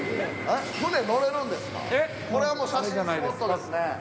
これはもう写真スポットですね。